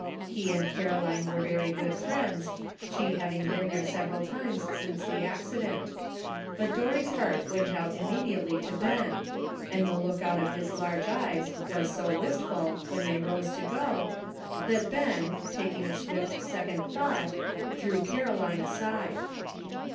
He and Caroline were very good friends, she having been there several times since the accident; but Don y's heart went out immediately to Ben, and the look out of his large eyes was so wist ful when Ibey rose to go, that Ben, taking a swift second thought, drew Caroline aside.